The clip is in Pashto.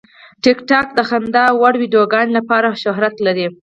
ټیکټاک د خندا وړ ویډیوګانو لپاره شهرت لري.